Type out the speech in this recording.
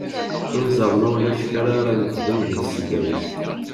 Ad nẓer ma ulac kra ara nexdem deg tesdawit.